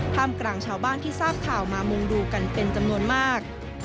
กลางชาวบ้านที่ทราบข่าวมามุงดูกันเป็นจำนวนมาก